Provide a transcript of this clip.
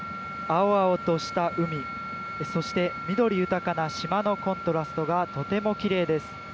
青々とした海そして緑豊かな島のコントラストがとてもきれいです。